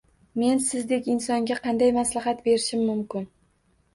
— Men sizdek insonga qanday maslahat berishim mumkin?